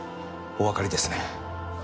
おわかりですね。